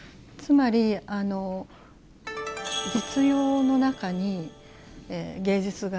つまり実用の中に芸術がある。